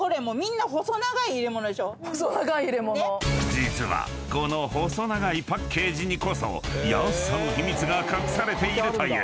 ［実はこの細長いパッケージにこそ安さの秘密が隠されているという］